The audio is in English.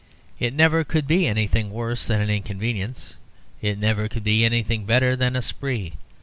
It never could be anything worse than an inconvenience; it never could be anything better than a spree.